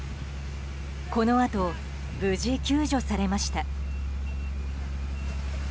このあと無事、救助されました。